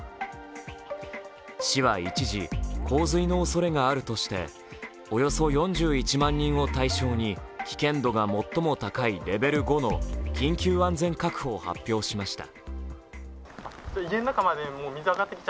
市は一時、洪水のおそれがあるとしておよそ４１万人を対象に、危険度が最も高いレベル５の緊急安全確保を発表しました。